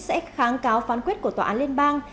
sẽ kháng cáo phán quyết của tòa án liên bang